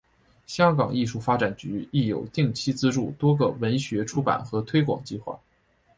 香港艺术发展局亦有定期资助多个文学出版和推广计划。